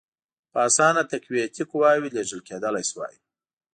په اسانه تقویتي قواوي لېږل کېدلای سوای.